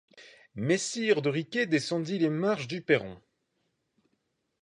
Messire de Riquet descendit les marches du perron.